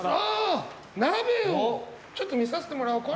鍋をちょっと見させてもらおう。